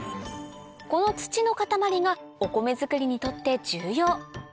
この土の塊がお米づくりにとって重要